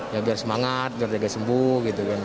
ya biar semangat biar jaga sembuh gitu kan